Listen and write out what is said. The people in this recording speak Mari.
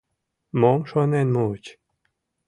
— Мом шонен муыч?